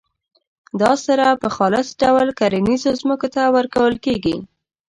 دا سره په خالص ډول کرنیزو ځمکو ته ورکول کیږي.